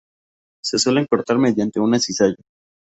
Se suelen cortar mediante una cizalla.